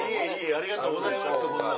ありがとうございますこんな。